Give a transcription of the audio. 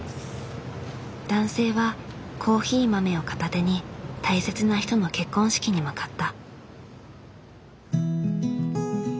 男性はコーヒー豆を片手に大切な人の結婚式に向かった。